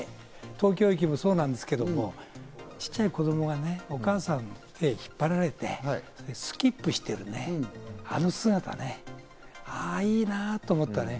東京駅もそうなんですけど、小っちゃい子供がね、お母さんの手に引っ張られてスキップして、あの姿ね、あぁ、いいなと思ったね。